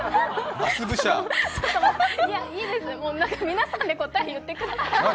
いいです、皆さんで答え言ってください。